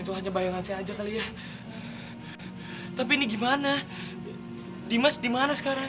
aduh ini udah kelihatan aja kali ya tapi ini gimana nadimas dimana sekarang